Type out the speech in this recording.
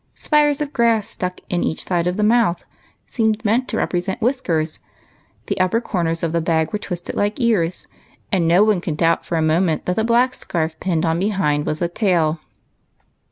Spires of grass stuck in each side of the mouth seemed meant to represent whiskers ; the upper corners of the bag were twisted like ears, and no one could doubt for a moment that the black scarf pinned on behind was a tail.